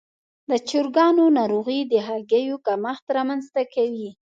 د چرګانو ناروغي د هګیو کمښت رامنځته کوي.